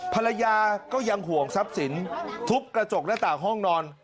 ภรรยาก็ยังห่วงทรัพย์สินทุบกระจกหน้าต่างห้องนอน